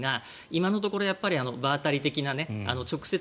今のところ場当たり的な直接